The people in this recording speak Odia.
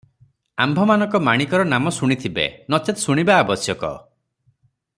ଆମ୍ଭମାନଙ୍କ ମାଣିକର ନାମ ଶୁଣିଥିବେ, ନଚେତ୍ ଶୁଣିବା ଆବଶ୍ୟକ ।